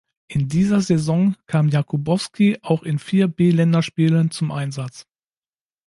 In dieser Saison kam Jakubowski auch in vier B-Länderspielen zum Einsatz.